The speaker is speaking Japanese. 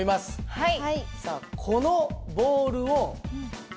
はい。